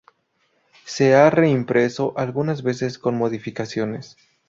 Se ha reimpreso algunas veces, con modificaciones.